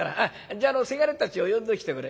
じゃあ伜たちを呼んできておくれ。